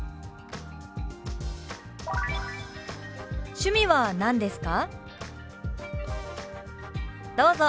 「趣味は何ですか？」。